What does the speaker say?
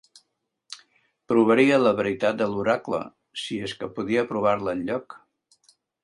Provaria la veritat de l'oracle, si és que podia provar-la enlloc